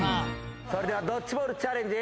それではドッジボールチャレンジ。